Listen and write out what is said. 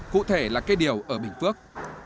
cụ thể là cây điều ở bình phước